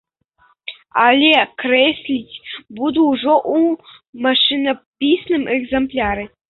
Але крэсліць буду ўжо ў машынапісным экзэмпляры.